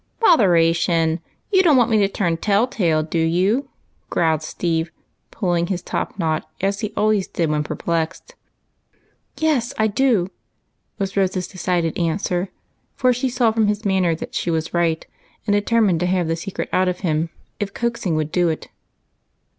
" Botheration ! you don't want me to turn telltale, do you?" growled Steve, pulling his top knot, as he always did when perplexed. "Yes, I do," was Rose's decided answer, — for she saw from his manner that she was right, and deter mined to have the secret out of him if coaxing would do it.